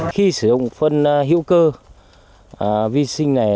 khi sử dụng phân hiệu cơ vi sinh này